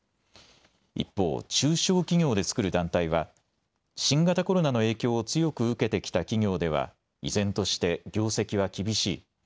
一方、中小企業で作る団体は新型コロナの影響を強く受けてきた企業では依然として業績は厳しい。